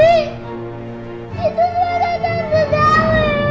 itu adalah tante dewi